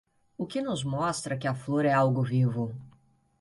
O que nos mostra que a flor é algo vivo?